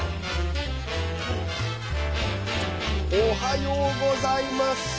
おはようございます。